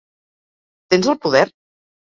Tens el poder?